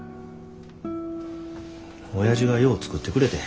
おやじがよう作ってくれてん。